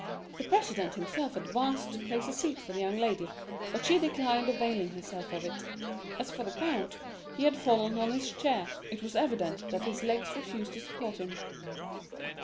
The president himself advanced to place a seat for the young lady; but she declined availing herself of it. As for the count, he had fallen on his chair; it was evident that his legs refused to support him.